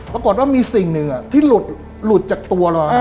ปรากฏว่ามีสิ่งหนึ่งที่หลุดจากตัวเรา